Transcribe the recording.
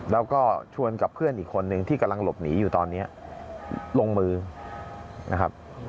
แล้วก็ชวนกับเพื่อนอีกคนนึงที่กำลังหลบหนีอยู่ตอนนี้ลงมือนะครับ